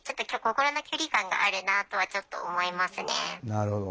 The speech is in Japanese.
なるほど。